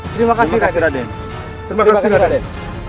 terima kasih raden